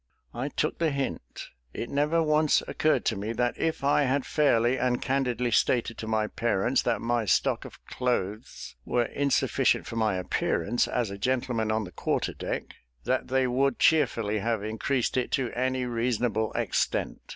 I took the hint: it never once occurred to me, that if I had fairly and candidly stated to my parents that my stock of clothes were insufficient for my appearance as a gentleman on the quarter deck, that they would cheerfully have increased it to any reasonable extent.